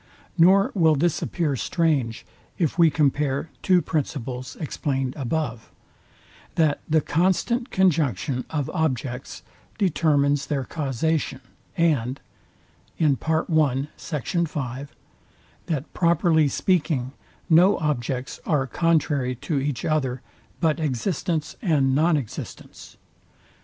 Nor will this appear strange, if we compare two principles explained above, THAT THE CONSTANT CONJUNCTION OF OBJECTS DETERMINES THEIR CAUSATION, AND THAT, PROPERTY SPEAKING, NO OBJECTS ARE CONTRARY TO EACH OTHER BUT EXISTENCE AND NON EXISTENCE.